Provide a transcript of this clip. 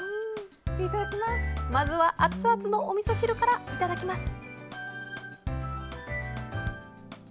まずは熱々のおみそ汁からいただきます。